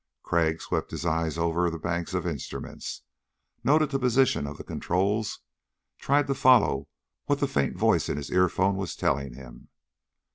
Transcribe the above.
Crag swept his eyes over the banks of instruments, noted the positions of the controls, tried to follow what the faint voice in his earphone was telling him.